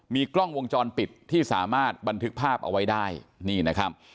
มีกล้องวงจรปิดที่สามารถบันทึกภาพเอาไว้ได้นี่นะครับ